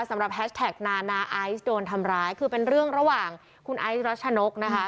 แฮชแท็กนานาไอซ์โดนทำร้ายคือเป็นเรื่องระหว่างคุณไอซ์รัชนกนะคะ